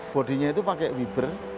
bodinya itu pakai wiber